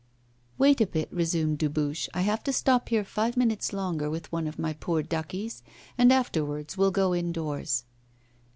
'Wait a bit,' resumed Dubuche; 'I have to stop here five minutes longer with one of my poor duckies, and afterwards we'll go indoors.